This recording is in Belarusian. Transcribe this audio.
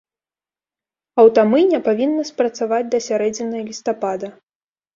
Аўтамыйня павінна спрацаваць да сярэдзіны лістапада.